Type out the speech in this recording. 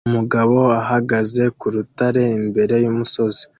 Umugabo ahagaze ku rutare imbere yumusozi